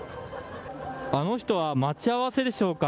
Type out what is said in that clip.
あの人は待ち合わせでしょうか。